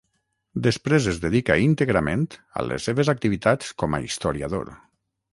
Després es dedica íntegrament a les seves activitats com a historiador.